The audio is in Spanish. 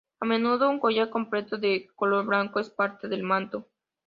A menudo, un collar completo de color blanco es parte del manto.